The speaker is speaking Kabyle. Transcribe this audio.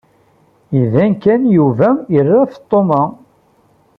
Iban kan Yuba ira Feṭṭuma.